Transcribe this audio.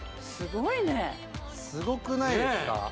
すごいねすごくないですか？